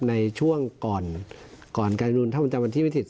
ในช่วงก่อนการชุมนุมถ้ามันจำวันที่ไม่ผิด